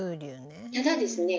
ただですね